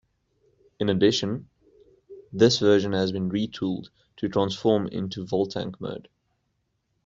In addition, this version has been retooled to transform into Voltank mode.